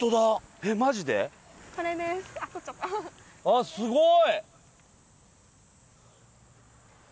あっすごい！